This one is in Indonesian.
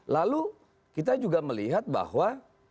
lalu kita juga melihat bahwa